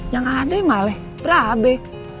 yang ada mah leh berabe